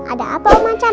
ada apa om achan